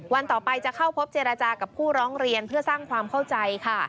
วันต่อไปจะเข้าพบเจรจากับผู้ร้องเรียนเพื่อสร้างความเข้าใจค่ะ